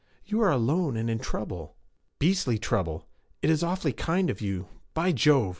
'You are alone and in trouble.' 'Beastly trouble! It is awfully kind of you. By Jove!'